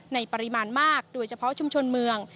ปริมาณมากโดยเฉพาะชุมชนเมือง